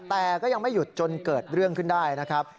แต่ก็ยังไม่หยุดจนเกิดเรื่องขึ้นได้นะครับ